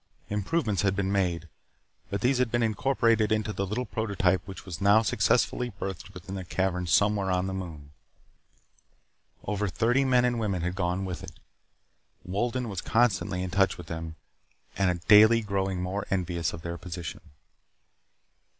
Improvements had been made, but these had been incorporated into the little prototype which was now successfully berthed within a cavern somewhere on the moon. Over thirty men and women had gone with it. Wolden was constantly in touch with them and daily growing more envious of their position.